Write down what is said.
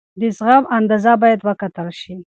د زغم اندازه باید وکتل شي.